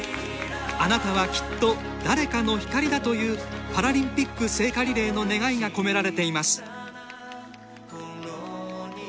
「あなたは、きっと、誰かの光だ。」というパラリンピック聖火リレーの願いが込められています。